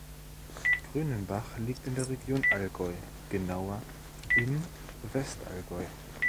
Grünenbach liegt in der Region Allgäu, genauer im Westallgäu.